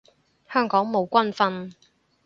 香港冇軍訓